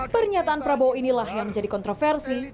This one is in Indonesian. pernyataan prabowo inilah yang menjadi kontroversi